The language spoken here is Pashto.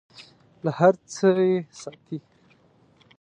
له هر څه یې ساتي .